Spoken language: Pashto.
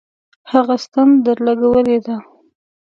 هغه ستن درلگولې ده.